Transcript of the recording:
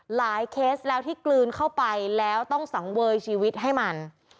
เคสแล้วที่กลืนเข้าไปแล้วต้องสังเวยชีวิตให้มัน